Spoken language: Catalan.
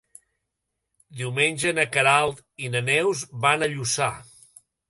Diumenge na Queralt i na Neus van a Lluçà.